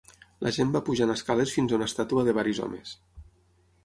La gent va pujant escales fins a una estàtua de varis homes.